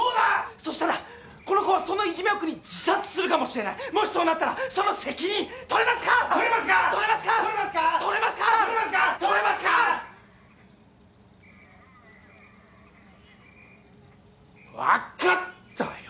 そしたらこの子はそのいじめを苦に自殺するかもしれないもしそうなったらその責任取れますか⁉取れますか⁉取れますか⁉取れますか⁉取れますか⁉取れますか⁉取れますか⁉分かったよ